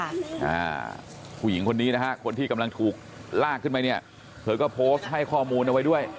อ่าผู้หญิงคนนี้นะฮะคนที่กำลังถูกลากขึ้นไปเนี่ยเธอก็โพสต์ให้ข้อมูลเอาไว้ด้วย